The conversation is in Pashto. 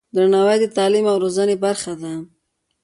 درناوی د تعلیم او روزنې برخه ده.